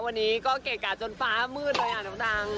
วันนี้ก็เกะกะจนฟ้ามืดเลยอ่ะน้องดัง